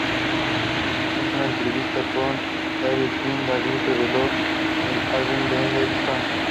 En una entrevista con Thrash Hits, David reveló el título del álbum, Vengeance Falls.